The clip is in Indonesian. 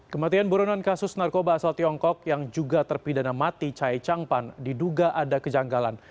kematian buronan kasus narkoba asal tiongkok yang juga terpidana mati chai changpan diduga ada kejanggalan